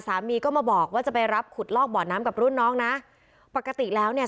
สามีก็มาบอกว่าจะไปรับขุดลอกบ่อน้ำกับรุ่นน้องนะปกติแล้วเนี่ย